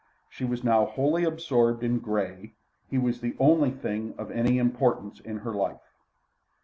She was now wholly absorbed in Grey; he was the only thing of any importance in her life.